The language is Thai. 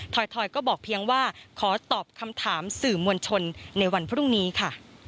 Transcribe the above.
ถอยก็บอกเพียงว่าขอตอบคำถามสื่อมวลชนในวันพรุ่งนี้ค่ะ